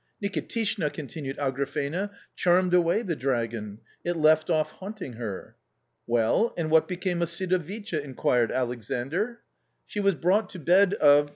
" Nikitishna," continued Agrafena, " charmed away the dragon ; it left off haunting her." "Well, and what became of Sidovicha?" inquired Alexandr. '• She was brought to bed of